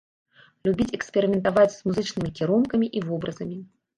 Любіць эксперыментаваць з музычнымі кірункамі і вобразамі.